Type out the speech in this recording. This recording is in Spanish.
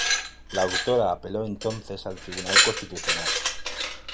La autora apeló entonces al Tribunal Constitucional.